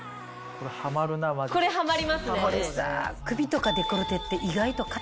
これハマりますね。